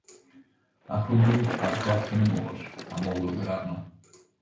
A hwnnw ar goll yn y môr, am olwg oedd arno.